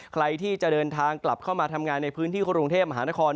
ใครที่จะเดินทางกลับเข้ามาทำงานในพื้นที่กรุงเทพมหานคร